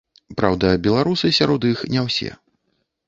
Праўда, беларусы сярод іх не ўсе.